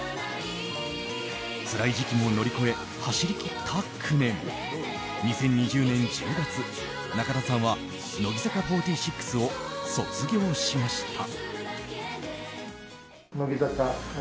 つらい時期も乗り越え走り切った２０２０年１０月中田さんは乃木坂４６を卒業しました。